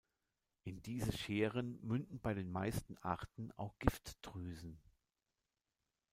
In diese Scheren münden bei den meisten Arten auch Giftdrüsen.